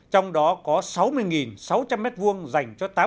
trong đó có sáu mươi sáu trăm linh m hai dành cho tám khối nhà